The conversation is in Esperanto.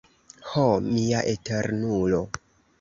Ho mia Eternulo!